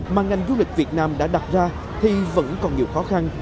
mà ngành du lịch việt nam đã đặt ra thì vẫn còn nhiều khó khăn